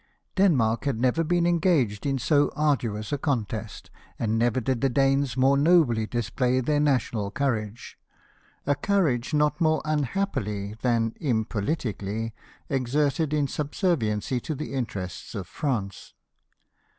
Denmark had never been engaged in so arduous a contest, and never did the Danes more nobly display their national courage — a courage not more unhappily, than impoliticly, exerted in subserviency to the interest of France.